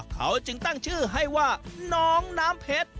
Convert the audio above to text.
เขาจึงตั้งชื่อให้ว่าน้องน้ำเพชร